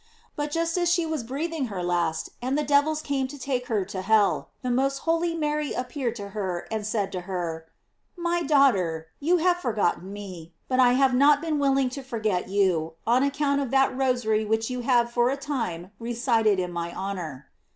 But just as she was breathing her last, and the devils came to take her to hell, the most holy Mary appeared to her, and said to her: "My daughter, you have forgotten me, but I have not been willing to forget you, on account of that Rosary which you have for a time recited in my honor.